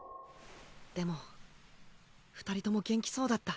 でも二人とも元気そうだった。